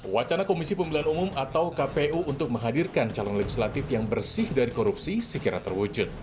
wacana komisi pemilihan umum atau kpu untuk menghadirkan calon legislatif yang bersih dari korupsi sekiranya terwujud